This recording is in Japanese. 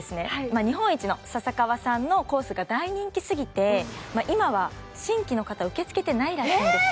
日本一の笹川さんのコースが大人気すぎて今は新規の方受け付けてないらしいんですよ